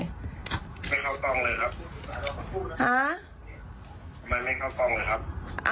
ไม่เข้ากล้องเลยครับมันไม่เข้ากล้องเลยครับ